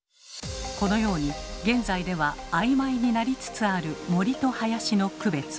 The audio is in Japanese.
このように現在では曖昧になりつつある森と林の区別。